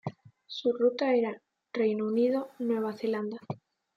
Su ruta era Reino Unido-Nueva Zelanda.